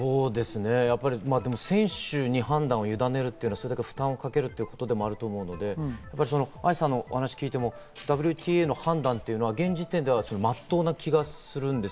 選手に判断をゆだねるというのは選手に負担をかけることだと思うので、愛さんのお話を聞いてもＷＴＡの判断というのは現時点では真っ当な気がします。